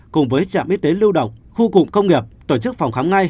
cùng với trạm y tế lưu động khu cụm công nghiệp tổ chức phòng khám ngay